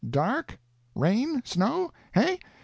Dark? Rain? Snow? Hey?"